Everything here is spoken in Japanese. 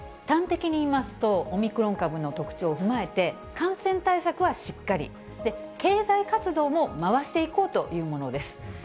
端的に言いますと、オミクロン株の特徴を踏まえて、感染対策はしっかり、経済活動も回していこうというものです。